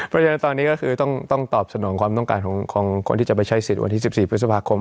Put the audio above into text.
เพราะฉะนั้นตอนนี้ก็คือต้องตอบสนองความต้องการของคนที่จะไปใช้สิทธิวันที่๑๔พฤษภาคม